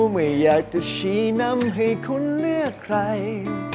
ไม่อยากจะชี้นำให้คุณเลือกใคร